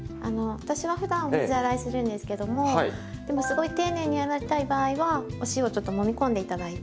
私はふだん水洗いするんですけどもすごい丁寧に洗いたい場合はお塩をちょっともみこんで頂いて。